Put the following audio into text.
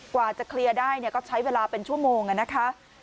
กว่าจะเคลียร์ได้ก็ใช้เวลาเป็นชั่วโมงนะคะ